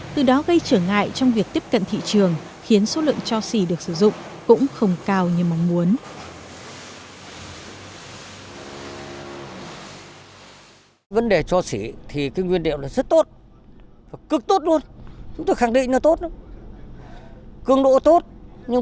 từ đó gây trở ngại trong việc tiếp cận thị trường